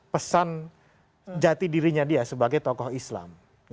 pesan jati dirinya dia sebagai tokoh islam